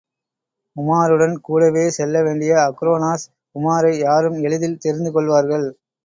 உமாருடன் கூடவே செல்ல வேண்டிய அக்ரோனோஸ், உமாரை யாரும் எளிதில் தெரிந்துகொள்வார்கள்.